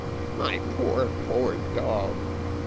My poor, poor dog!"